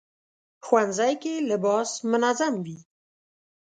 ښوونځی کې لباس منظم وي